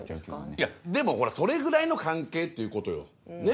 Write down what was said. いやでもほらそれぐらいの関係っていうことよ。ね？